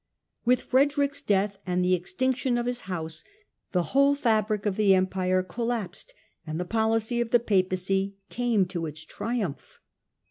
With Frederick's death and the extinction of his house the whole fabric of the Empire collapsed and the policy of the Papacy came to its triumph.